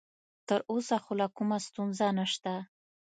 تر اوسه خو لا کومه ستونزه نشته.